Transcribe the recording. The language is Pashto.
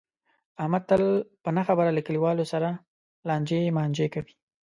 احمد تل په نه خبره له کلیواو سره لانجې مانجې کوي.